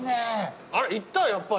あらいったやっぱり。